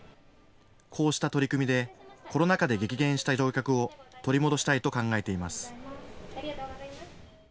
こうした取り組みでコロナ禍で激減した乗客を取り戻したいと考えています。